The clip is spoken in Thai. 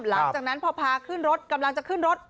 หลังจากนั้นพอพาขึ้นรถกำลังจะขึ้นรถ